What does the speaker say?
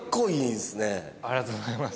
ありがとうございます。